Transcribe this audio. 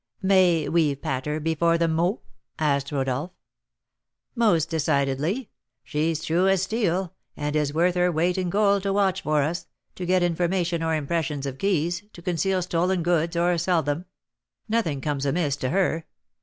"May we 'patter' before the 'mot?'" asked Rodolph. "Most decidedly! She's true as steel, and is worth her weight in gold to watch for us, to get information or impressions of keys, to conceal stolen goods or sell them, nothing comes amiss to her.